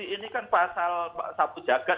ini kan pasal sabtu jagat